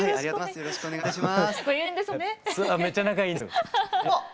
よろしくお願いします。